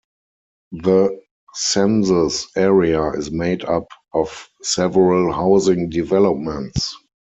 The census area is made up of several housing developments.